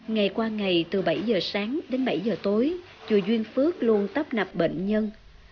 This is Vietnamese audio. ngày qua ngày từ bảy giờ sáng đến bảy giờ tối chùa duyên phước luôn tắp nạp bệnh nhân